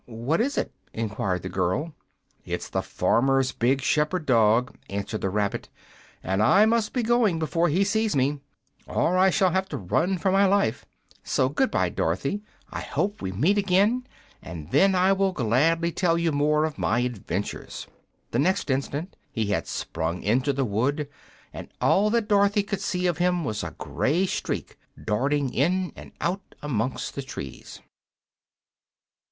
"What is it?" enquired the girl. "It's the farmer's big shepherd dog," answered the Rabbit, "and I must be going before he sees me, or I shall have to run for my life. So good bye, Dorothy; I hope we shall meet again, and then I will gladly tell you more of my adventures." The next instant he had sprung into the wood, and all that Dorothy could see of him was a gray streak darting in and out amongst the trees.